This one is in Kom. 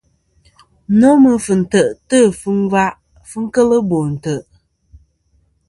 Nômɨ fɨ̀ntè'tɨ fɨ ngva fɨ̀ kà kel bo ntè'.